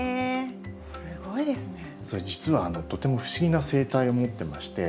実はとても不思議な生態を持ってまして。